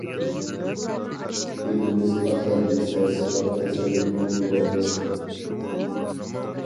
دىلىمىز ئازار يېسە سىلاپ تەسەللىمۇ بېرەلمەستىن.